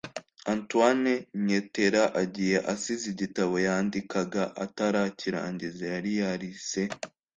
Antoine Nyetera agiye asize igitabo yandikaga atarakirangiza yari yarise